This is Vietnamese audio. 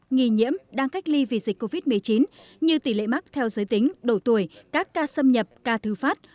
nghi nhiễm đang cách ly vì dịch covid một mươi chín như tỷ lệ mắc theo giới tính độ tuổi các ca xâm nhập ca thư phát